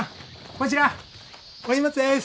こちらお荷物です！